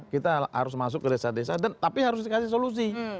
kita harus masuk ke desa desa dan tapi harus dikasih solusi